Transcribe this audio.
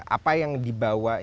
apa yang dibawa